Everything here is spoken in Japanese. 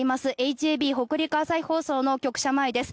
ＨＡＢ・北陸朝日放送の局舎前です。